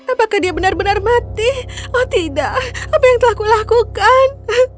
apakah dia benar benar mati oh tidak apa yang telah kulakukan